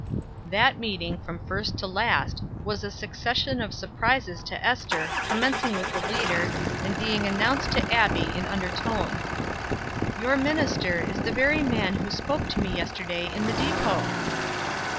That meeting, from first to last, was a succession of surprises to Ester, commencing with the leader, and being announced to Abbie in undertone: "Your minister is the very man who spoke to me yesterday in the depot."